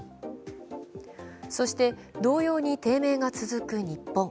そして、同様に低迷が続く日本。